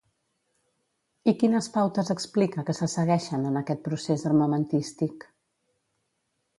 I quines pautes explica que se segueixen en aquest procés armamentístic?